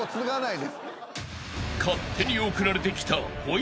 ［勝手に送られてきた］